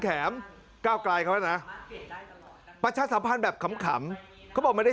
แถมก้าวไกลเขาแล้วนะประชาสัมพันธ์แบบขำเขาบอกไม่ได้